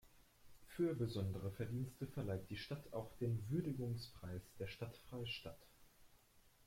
Für besondere Verdienste verleiht die Stadt auch den "Würdigungspreis der Stadt Freistadt".